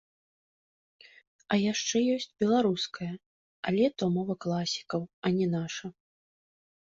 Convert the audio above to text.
А яшчэ ёсць беларуская, але то мова класікаў, а не наша.